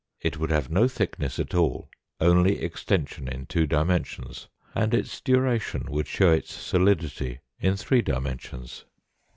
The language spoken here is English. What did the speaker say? It would have no thickness at all, only extension in two dimensions, and its duration would show its solidity in three dimensions.